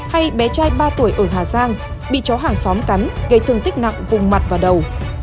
hay bé trai ba tuổi ở hà giang bị chó hàng xóm cắn gây thương tích nặng vùng mặt và đầu